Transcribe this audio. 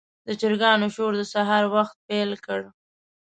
د چرګانو شور د سهار وخت پیل کړ.